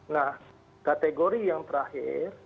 nah kategori yang terakhir